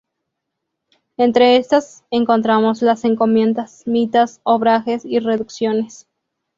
Entre estas encontramos las encomiendas, mitas, obrajes y reducciones.